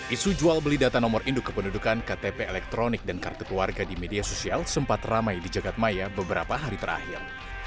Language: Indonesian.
isu jual beli data nomor induk kependudukan ktp elektronik dan kartu keluarga di media sosial sempat ramai di jagadmaya beberapa hari terakhir